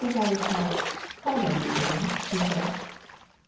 Hollis has called on you, then?" he said.